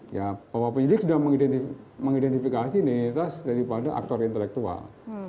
ya bahwa penyidik sudah mengidentifikasi identitas daripada aktor intelektual